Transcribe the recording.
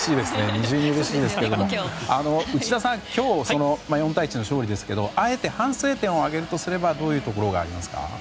二重にうれしいですが内田さん今日４対１の勝利ですけどあえて反省点を挙げるとすればどういうところがありますか。